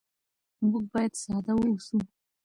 موږ باید ساده واوسو.